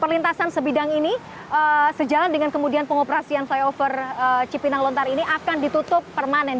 perlintasan sebidang ini sejalan dengan kemudian pengoperasian flyover cipinang lontar ini akan ditutup permanen